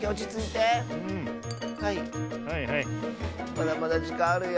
まだまだじかんあるよ。